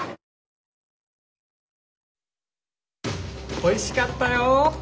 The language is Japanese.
おいしかったよ。